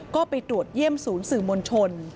ก็ไปตรวจเยี่ยมศูนย์สื่อมวลชน